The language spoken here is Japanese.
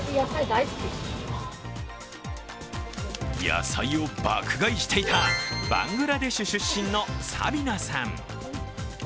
野菜を爆買いしていたバングラデシュ出身のサビナさん。